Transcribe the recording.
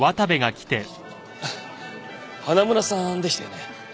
花村さんでしたよね？